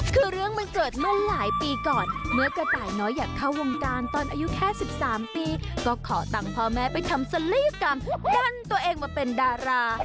คือเรื่องมันเกิดเมื่อหลายปีก่อนเมื่อกระต่ายน้อยอยากเข้าวงการตอนอายุแค่๑๓ปีก็ขอตังค์พ่อแม่ไปทำศัลยกรรมดันตัวเองมาเป็นดารา